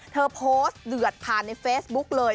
เธอโพสต์เดือดผ่านในเฟซบุ๊กเลย